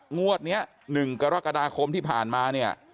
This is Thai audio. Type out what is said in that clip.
งวดนี้๑กรกฎาคมที่ผ่านมาเนี่ย